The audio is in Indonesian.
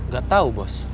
gak tau bos